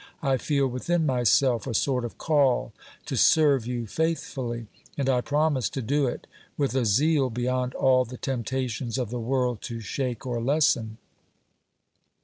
I feel within myself a sort of call to serve you faithfully, and I promise to do it with a zeal beyond all the temptations of the world to shake or lessen.